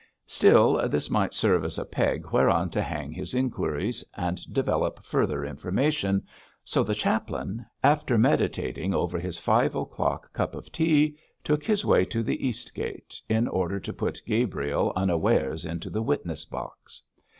Still, this might serve as a peg whereon to hang his inquiries and develop further information, so the chaplain, after meditating over his five o'clock cup of tea, took his way to the Eastgate, in order to put Gabriel unawares into the witness box.